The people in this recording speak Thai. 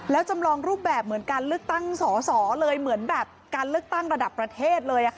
แล้วจำลองรูปแบบเหมือนการเลือกตั้งสอสอเลยเหมือนแบบการเลือกตั้งระดับประเทศเลย